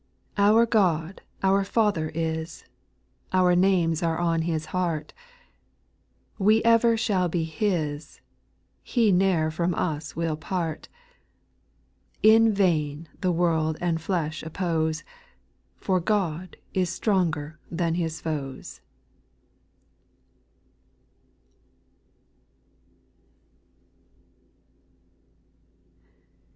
6. Our God our Father is, Our names are on His heart ; We ever shall be His, He ne'er from us will part : In vain the world and flesh oppose, For God is stronger than His foes.